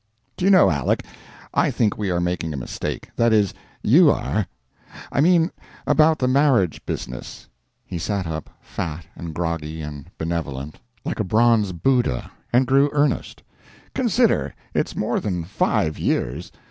"Do you know, Aleck, I think we are making a mistake that is, you are. I mean about the marriage business." He sat up, fat and froggy and benevolent, like a bronze Buddha, and grew earnest. "Consider it's more than five years.